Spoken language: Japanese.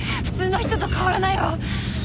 普通の人と変わらないわ。